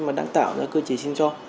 mà đã tạo ra cơ chế sinh cho